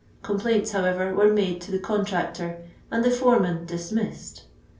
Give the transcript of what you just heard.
Complaints, however, were made to the contractor, and the foreman dis missed.